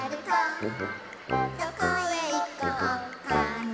「どこへいこうかな」